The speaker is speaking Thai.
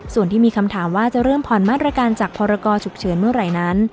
ส่วนที่มีคำถามว่าจะเริ่มผ่อนมาตรการจากพรกรฉุกเฉินเมื่อไหร่นั้น